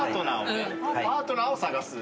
パートナーを探すやつ。